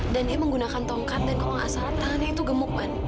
dan dia menggunakan tongkat dan kalau nggak salah tangannya itu gemuk man